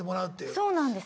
そうなんです。